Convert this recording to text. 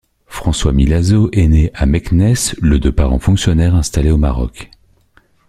François Milazzo est né à Meknès le de parents fonctionnaires installés au Maroc.